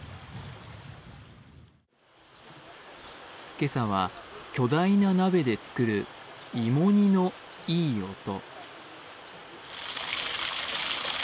今朝は巨大な鍋で作る芋煮のいい音。